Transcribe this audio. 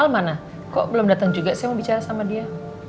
mana kok belum datang juga saya mau bicara sama dia